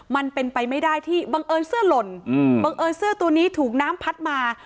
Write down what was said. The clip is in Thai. มันเป็นไปไม่ได้ที่บังเอิญเสื้อหล่นบังเอิญเสื้อตัวนี้ถูกน้ำพัดมา